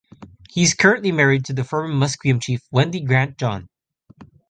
He is currently married to former Musqueam chief Wendy Grant-John.